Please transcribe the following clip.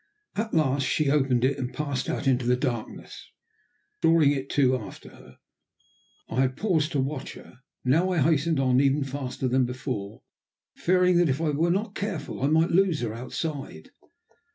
At last she opened it and passed out into the darkness, drawing it to after her. I had paused to watch her; now I hastened on even faster than before, fearing that, if I were not careful, I might lose her outside.